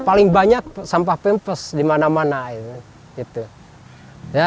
paling banyak sampah popok di mana mana